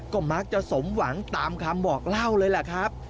ก็มักจะสมหวังตามคำบอกเล่าเลยแหละครับ